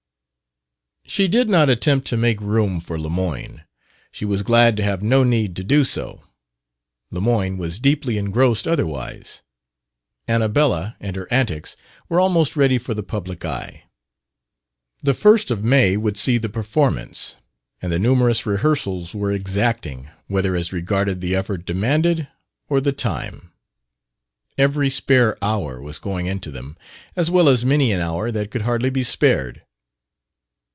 She did not attempt to make room for Lemoyne. She was glad to have no need to do so; Lemoyne was deeply engrossed otherwise "Annabella" and her "antics" were almost ready for the public eye. The first of May would see the performance, and the numerous rehearsals were exacting, whether as regarded the effort demanded or the time. Every spare hour was going into them, as well as many an hour that could hardly be spared.